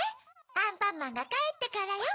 アンパンマンがかえってからよ。